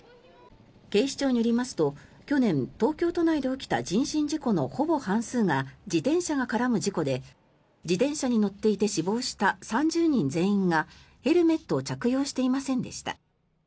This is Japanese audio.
警視庁によりますと去年、東京都内で起きた人身事故のほぼ半数が自転車が絡む事故で自転車に乗っていて死亡した３０人全員がヘルメットを着用していませんでした。